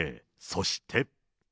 そして。